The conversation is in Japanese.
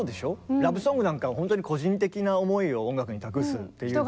ラブソングなんかは本当に個人的な思いを音楽に託すっていう代表。